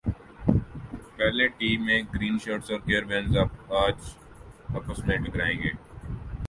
پہلے ٹی میں گرین شرٹس اور کیربیئنز اج پس میں ٹکرائیں گے